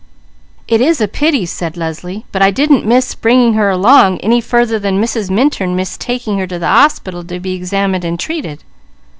"It is a pity!" said Leslie. "But I didn't 'miss bringing her along' any farther than Mrs. Minturn missed taking her to the hospital to be examined and treated!"